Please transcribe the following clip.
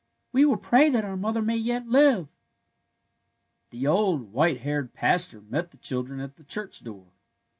We will pray that our mother may yet live." The old, white haired pastor met the chil dren at the church door.